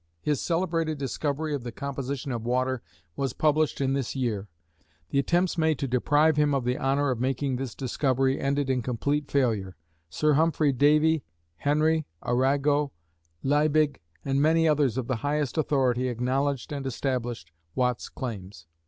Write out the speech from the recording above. His celebrated discovery of the composition of water was published in this year. The attempts made to deprive him of the honor of making this discovery ended in complete failure. Sir Humphrey Davy, Henry, Arago, Liebig, and many others of the highest authority acknowledged and established Watt's claims.